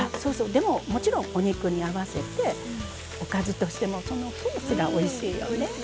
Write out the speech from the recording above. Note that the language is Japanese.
でももちろんお肉に合わせておかずとしても、おいしいよね。